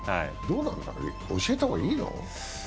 どうなのかね、教えた方がいいの？